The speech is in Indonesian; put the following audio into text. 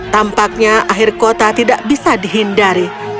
tampaknya akhir kota tidak bisa dihindari